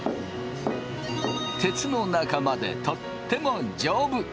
鉄の仲間でとっても丈夫。